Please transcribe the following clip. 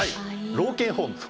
老犬ホームと。